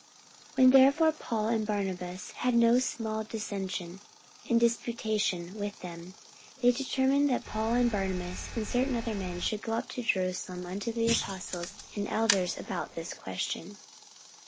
44:015:002 When therefore Paul and Barnabas had no small dissension and disputation with them, they determined that Paul and Barnabas, and certain other of them, should go up to Jerusalem unto the apostles and elders about this question.